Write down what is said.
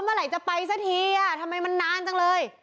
เมื่อไหร่จะไปสักทีทำไมมันนานจังเลย